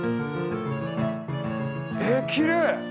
えっきれい！